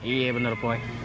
iya bener po